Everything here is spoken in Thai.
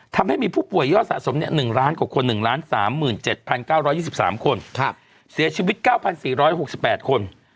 ทำให้มีผู้ป่วยยอดสะสม๑ล้านกว่าคน๑๓๗๙๒๓คนเสียชีวิต๙๔๖๘คน